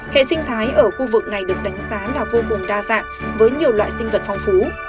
hệ sinh thái ở khu vực này được đánh giá là vô cùng đa dạng với nhiều loại sinh vật phong phú